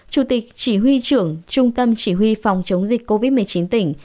chủ tịch chỉ huy trưởng trung tâm chỉ huy phòng chống dịch covid một mươi chín tỉnh